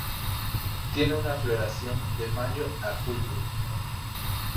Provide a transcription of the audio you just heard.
Tiene una floración de mayo a julio.